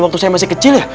waktu saya masih kecil ya